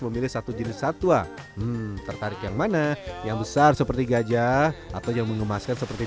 memilih satu jenis satwa tertarik yang mana yang besar seperti gajah atau yang mengemaskan seperti